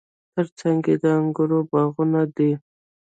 ترڅنګ یې د انګورو باغونه دي.